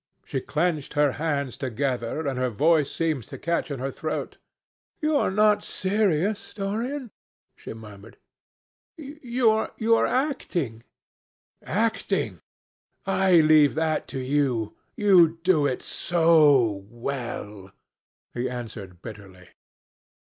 She clenched her hands together, and her voice seemed to catch in her throat. "You are not serious, Dorian?" she murmured. "You are acting." "Acting! I leave that to you. You do it so well," he answered bitterly.